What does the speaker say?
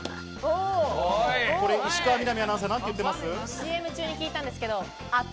これ、石川みなみアナウンサー、なんて言ってます？